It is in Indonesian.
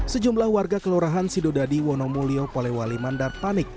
sejumlah warga kelorahan sidodadi wonomulio poliwali mandar panik